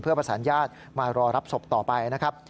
ประสานญาติมารอรับศพต่อไปนะครับ